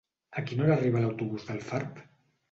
A quina hora arriba l'autobús d'Alfarb?